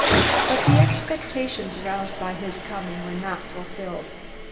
But the expectations aroused by his coming were not fulfilled.